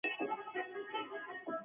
پر مناره باندې راتیرشي،